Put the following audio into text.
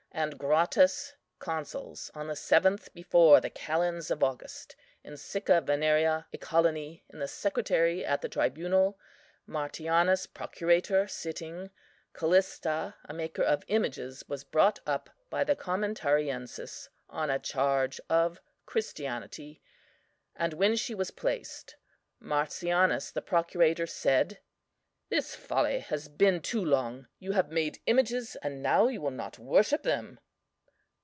and Gratus, Consuls, on the seventh before the Calends of August, in Sicca Veneria, a colony, in the Secretary at the Tribunal, Martianus, procurator, sitting; Callista, a maker of images, was brought up by the Commentariensis on a charge of Christianity, and when she was placed, "MARTIANUS, the procurator, said: This folly has been too long; you have made images, and now you will not worship them.